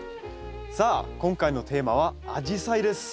さあ今回のテーマはアジサイです。